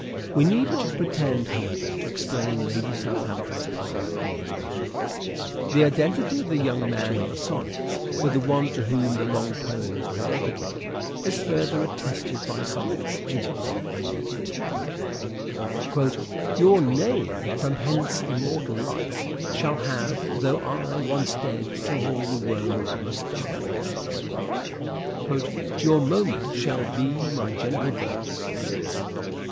We need not pretend, however, to explain Lady Southampton's part in these matters. The identity of the young man of the sonnets with the one to whom the long poems were dedicated, is further attested by sonnets 81 and 82. 440 "SHAKESPEARE" IDENTIFIED Dedication '' Your name from hence immortal life shall have, of Though I, once dead, to all the world must die. " Lucrece." Your monument shall be my gentle verse."